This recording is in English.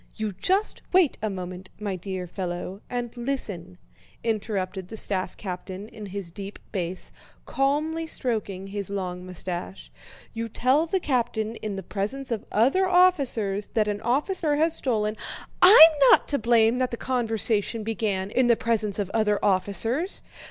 "You just wait a moment, my dear fellow, and listen," interrupted the staff captain in his deep bass, calmly stroking his long mustache. "You tell the colonel in the presence of other officers that an officer has stolen..." "I'm not to blame that the conversation began in the presence of other officers.